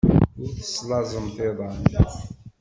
Ur teslaẓemt iḍan.